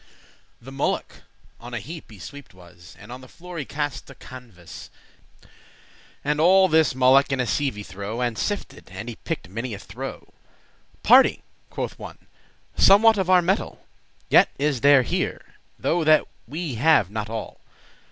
The mullok* on a heap y sweeped was, *rubbish And on the floor y cast a canevas, And all this mullok in a sieve y throw, And sifted, and y picked many a throw.* *time "Pardie," quoth one, "somewhat of our metal Yet is there here, though that we have not all.